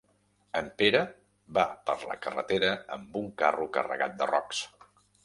En Pere va per la carretera amb un carro carregat de rocs.